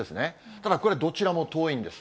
ただこれ、どちらも遠いんです。